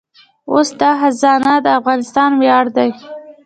اوس دا خزانه د افغانستان ویاړ دی